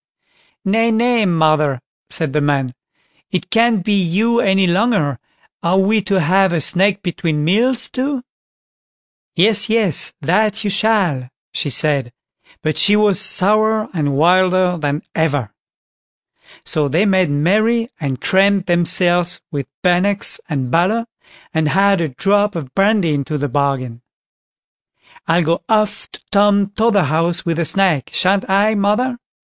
"Nay, nay, mother", said the man, "it can't be you any longer; are we to have a snack between meals too?" "Yes, yes, that you shall", she said; but she was sourer and wilder than ever. So they made merry, and crammed themselves with bannocks and butter, and had a drop of brandy into the bargain. "I'll go off to Tom Totherhouse with a snack—shan't I, mother?"